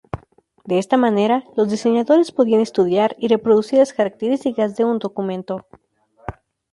De esta manera, los diseñadores podían estudiar y reproducir las características de un documento.